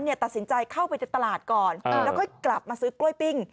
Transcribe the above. เข้าไปในตลาดก่อนแล้วก็กลับมาซื้อกล้วยปิ้ง